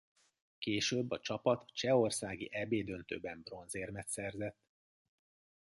Később a csapat a csehországi Eb-döntőben bronzérmet szerzett.